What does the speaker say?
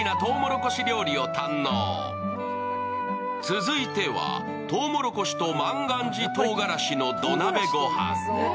続いては、とうもろこしと万願寺とうがらしの土鍋ご飯。